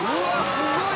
「すごい！」